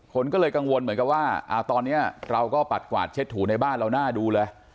คนก็เลยกังวลเหมือนกับว่าตอนนี้เราก็ปัดกวาดเช็ดถูในบ้านเราหน้าดูเลย